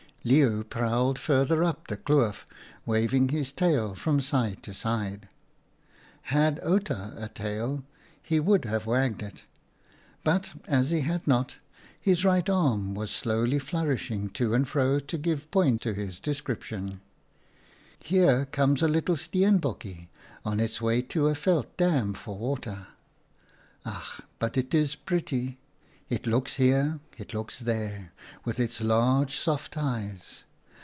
" Leeuw prowled further up the kloof, waving his tail from side to side." Had Outa had a tail he would have wagged it, but, as he had not, his right arm was slowly flourished to and fro to give point to his description. " Here comes a little Steen bokje on its way to a veld dam for water. Ach ! but it is pretty ! It looks here, it looks there, with its large soft eyes.